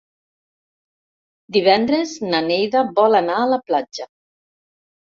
Divendres na Neida vol anar a la platja.